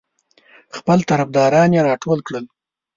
خپل طرفداران یې راټول کړل.